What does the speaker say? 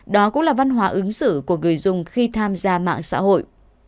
đó cũng là văn hóa ứng xử của người dùng khi tham gia mạng xã hội